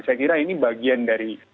saya kira ini bagian dari